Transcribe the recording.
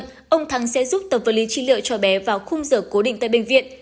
ông thắng sẽ giúp tập vật lý trị liệu cho bé vào khung giờ cố định tại bệnh viện